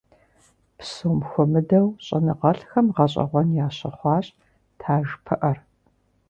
Псом хуэмыдэу щӀэныгъэлӀхэм гъэщӏэгъуэн ящыхъуащ таж пыӀэр.